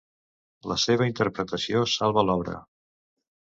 La seva interpretació salva l'obra.